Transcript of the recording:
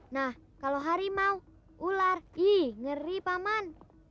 nah kalau harimau ular ih ngeri paman